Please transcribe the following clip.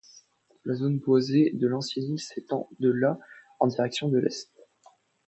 La zone boisée de l'ancienne île s'étend de là en direction de l'est.